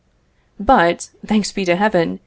But, thanks be to Heaven!